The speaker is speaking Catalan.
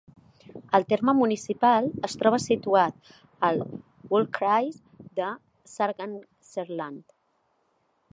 El terme municipal es troba situat al "Wahlkreis" de Sarganserland.